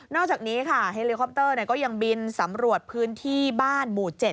อกจากนี้ค่ะเฮลิคอปเตอร์ก็ยังบินสำรวจพื้นที่บ้านหมู่๗